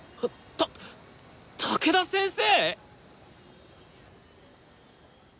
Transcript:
た武田先生！？